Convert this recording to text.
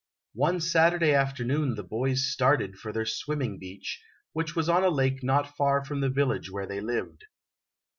One Saturday afternoon the boys started for their swimming beach, which was on a lake not far from the village where they lived.